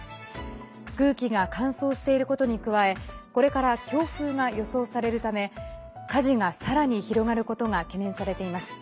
空気が乾燥していることに加えこれから強風が予想されるため火事がさらに広がることが懸念されています。